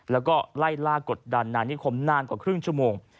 แล้วก็ไล่ล่ากดดันนายนิคมนานกว่าครึ่งชั่วโมง